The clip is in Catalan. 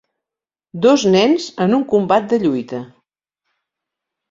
Dos nens en un combat de lluita.